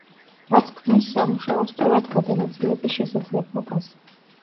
რაც ქმნის სამუშაოს სწორად გადანაწილების შესაძლებლობას.